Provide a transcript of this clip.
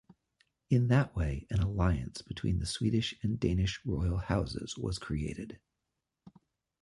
In that way an alliance between the Swedish and Danish royal houses was created.